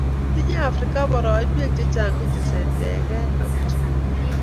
Tinyei afrika boroinwek chechang kotesetaikei eng uchumi